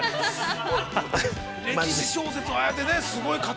すごい。